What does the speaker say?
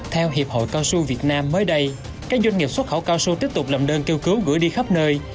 theo hiệp hội cao su việt nam mới đây các doanh nghiệp xuất khẩu cao su tiếp tục làm đơn kêu cứu gửi đi khắp nơi